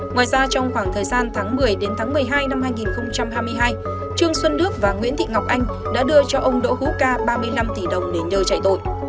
ngoài ra trong khoảng thời gian tháng một mươi đến tháng một mươi hai năm hai nghìn hai mươi hai trương xuân đức và nguyễn thị ngọc anh đã đưa cho ông đỗ hữu ca ba mươi năm tỷ đồng để nhờ chạy tội